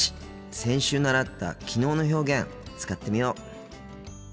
先週習った「きのう」の表現使ってみよう。